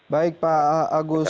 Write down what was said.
baik pak agus